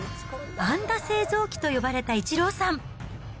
安打製造機と呼ばれたイチローさん。